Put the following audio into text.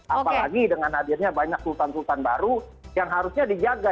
apalagi dengan hadirnya banyak sultan sultan baru yang harusnya dijaga